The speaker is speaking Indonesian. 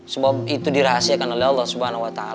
sebab itu dirahasiakan oleh allah swt